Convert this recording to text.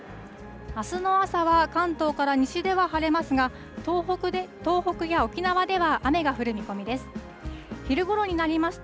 あすの朝は、関東から西では晴れますが、東北や沖縄では雨が降る見込みです。